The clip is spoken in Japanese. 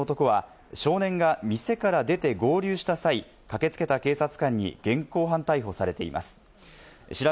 仲間の２０代くらいの男は、少年が店から出て合流した際、駆けつけた警察官に現行犯逮捕されています。